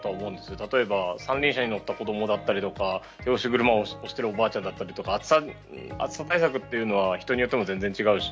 例えば三輪車に乗った子供や手押し車を押しているおばあちゃんだったりとか暑さ対策は人によっても全然違うし。